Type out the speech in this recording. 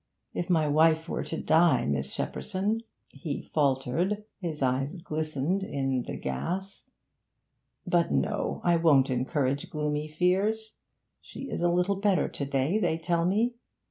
If my wife were to die, Miss Shepperson ' He faltered; his eyes glistened in the gas 'But no, I won't encourage gloomy fears. She is a little better to day, they tell me.